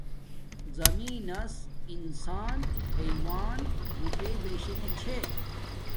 زمین نس انسان حیوان بوٹے بشنݣ چھے